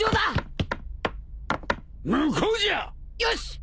よし！